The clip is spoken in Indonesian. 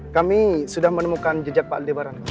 kami sudah menemukan jejak pak debaran